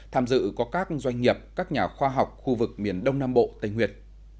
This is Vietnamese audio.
tham dự có các doanh nghiệp các nhà khoa học khu vực miền đông nam bộ tây nguyên